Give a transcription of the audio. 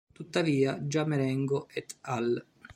Tuttavia, già Marengo "et al.